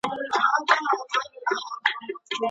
ساینس پوهنځۍ په غلطه توګه نه تشریح کیږي.